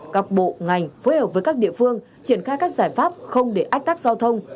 các bộ ngành phối hợp với các địa phương triển khai các giải pháp không để ách tắc giao thông